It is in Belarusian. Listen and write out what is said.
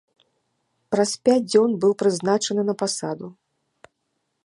Праз пяць дзён быў прызначаны на пасаду.